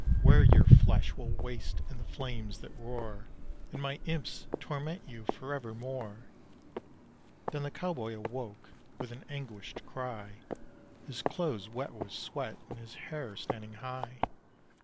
"Where your flesh will waste in the flames that roar, And my imps torment you forever more." Then the cowboy awoke with an anguished cry, His clothes wet with sweat and his hair standing high.